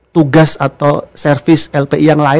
tugas atau servis lpi yang lain